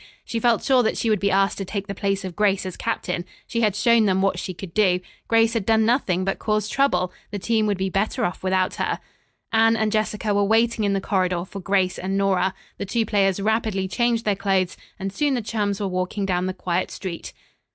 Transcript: She felt sure that she would be asked to take the place of Grace as captain. She had shown them what she could do. Grace had done nothing but cause trouble. The team would be better off without her. Anne and Jessica were waiting in the corridor for Grace and Nora. The two players rapidly changed their clothes and soon the chums were walking down the quiet street.